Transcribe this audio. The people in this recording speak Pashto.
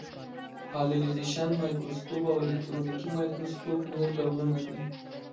پالرېزېشن مایکروسکوپ او الکترونیکي مایکروسکوپ نور ډولونه دي.